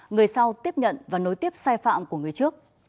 người sau tiếp nhận và nối tiếp sai phạm của người trước